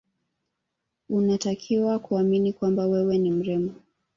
Unatakiwa kuamini kwamba wewe ni mrembo